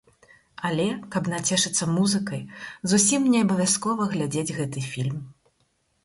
Але, каб нацешыцца музыкай, зусім не абавязкова глядзець гэты фільм.